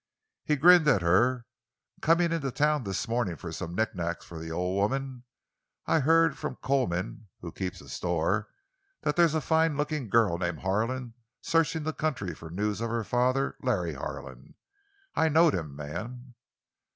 He grinned at her. "Comin' in to town this mornin' for some knickknacks for me ol' woman, I hear from Coleman—who keeps a store—that there's a fine lookin' girl named Harlan searchin' the country for news of her father, Larry Harlan. I knowed him, ma'am."